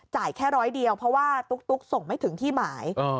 แค่ร้อยเดียวเพราะว่าตุ๊กส่งไม่ถึงที่หมาย